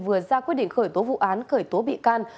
vừa ra quyết định khởi tố vụ án khởi tố bị can